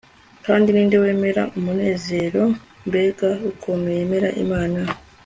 kandi ninde wemera umunezero, mbega ukuntu yemera imana